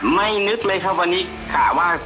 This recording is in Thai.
ไม่นึกเลยครับวันนี้กะว่า